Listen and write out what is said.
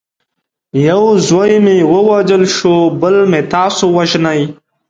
یو زوی مې ووژل شو بل مې تاسي وژنئ.